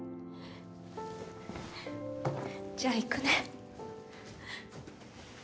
じゃあ行くね。